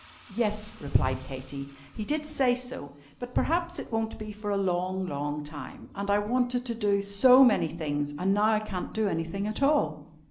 "Yes," replied Katy, "he did say so. But perhaps it won't be for a long, long time. And I wanted to do so many things. And now I can't do anything at all!"